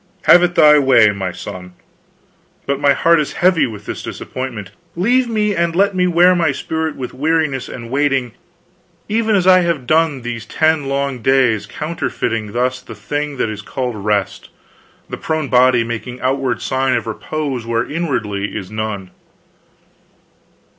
Have it thy way, my son. But my heart is heavy with this disappointment. Leave me, and let me wear my spirit with weariness and waiting, even as I have done these ten long days, counterfeiting thus the thing that is called rest, the prone body making outward sign of repose where inwardly is none."